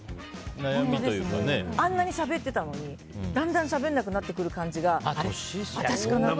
あんなにしゃべってたのにだんだんしゃべらなくなった感じが。